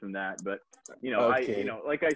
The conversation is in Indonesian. idea dan sebagainya tapi